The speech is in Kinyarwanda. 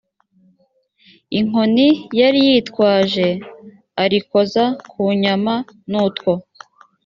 inkoni yari yitwaje arikoza ku nyama n utwo